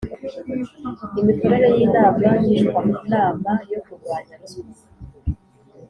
Imikorere y’inama ngishwanama yo kurwanya Ruswa